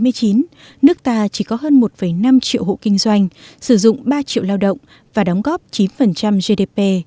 nếu như vào năm hai nghìn năm nước ta chỉ có hơn một năm triệu hộ kinh doanh sử dụng ba triệu lao động và đóng góp chín gdp